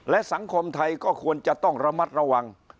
และสังคมไทยก็ควรจะต้องระมัดระวัง